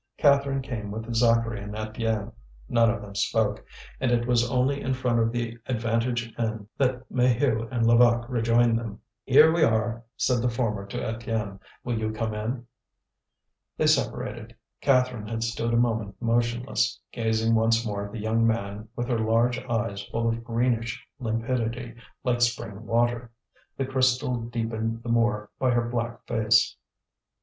Catherine came with Zacharie and Étienne. None of them spoke. And it was only in front of the Avantage inn that Maheu and Levaque rejoined them. "Here we are," said the former to Étienne; "will you come in?" They separated. Catherine had stood a moment motionless, gazing once more at the young man with her large eyes full of greenish limpidity like spring water, the crystal deepened the more by her black face.